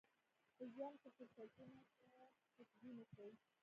په ژوند کې فرصتونو ته خوشبين اوسئ.